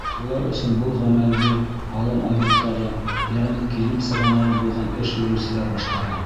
Улар өсөн был ғәмәлде һалым агенттары, йәғни килем сығанағы булған эш биреүселәр башҡара.